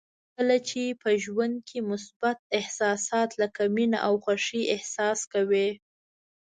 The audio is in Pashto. کله چې په ژوند کې مثبت احساسات لکه مینه او خوښي احساس کوئ.